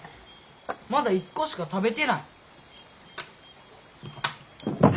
まだ１個しか食べてない。